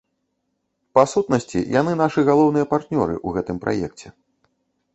Па сутнасці, яны нашы галоўныя партнёры ў гэтым праекце.